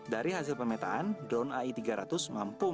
dari hasil pemetaan drone ai tiga ratus mampu